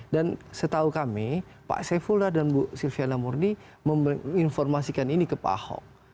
dan setahu kami pak saifulah dan ibu silviana munsni meminformasikan ini ke pak ahok